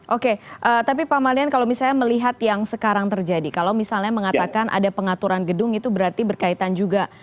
oke tapi pak malian kalau misalnya melihat yang sekarang terjadi kalau misalnya mengatakan ada pengaturan gedung itu berarti berkaitan juga